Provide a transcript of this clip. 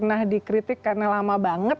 saya kritik karena lama banget